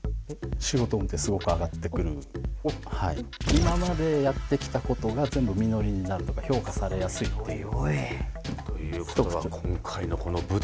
今までやってきたことが全部実りになるとか評価されやすいっていう。